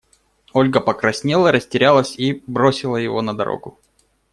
Ольга покраснела, растерялась и… бросила его на дорогу.